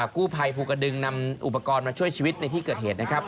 กู้ภัยภูกระดึงนำอุปกรณ์มาช่วยชีวิตในที่เกิดเหตุนะครับ